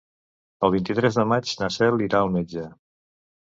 El vint-i-tres de maig na Cel irà al metge.